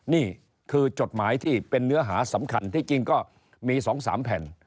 นี่คือจดหมายที่เป็นเนื้อหาสำคัญที่จริงก็มี๒๓แผ่น